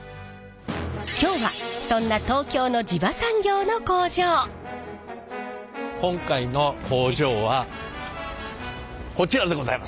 今日はそんな今回の工場はこちらでございます。